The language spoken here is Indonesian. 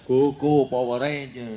kuku poweran jatuh